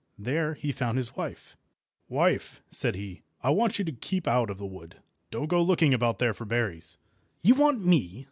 There he found his wife. "Wife," said he, "I want you to keep out of the wood. Don't go looking about there for berries." "You want me!"